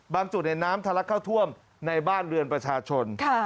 จุดน้ำทะลักเข้าท่วมในบ้านเรือนประชาชน